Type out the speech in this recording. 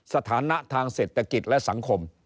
สถานะทางเศรษฐกิจและสังคม